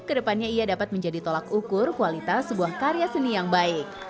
kedepannya ia dapat menjadi tolak ukur kualitas sebuah karya seni yang baik